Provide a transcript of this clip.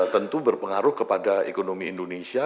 tentu berpengaruh kepada ekonomi indonesia